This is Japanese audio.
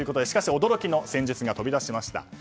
しかし驚きの戦術が飛び出しました。